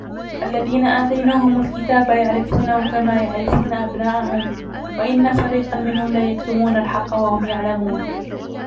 الذين آتيناهم الكتاب يعرفونه كما يعرفون أبناءهم وإن فريقا منهم ليكتمون الحق وهم يعلمون